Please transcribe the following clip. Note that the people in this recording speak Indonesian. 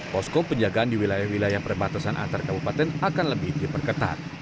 posko penjagaan di wilayah wilayah perbatasan antar kabupaten akan lebih diperketat